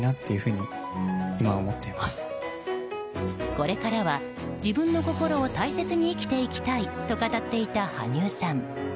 これからは自分の心を大切に生きていきたいと語っていた羽生さん。